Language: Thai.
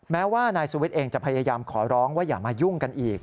แม้ว่านายสุวิทย์เองจะพยายามขอร้องว่าอย่ามายุ่งกันอีก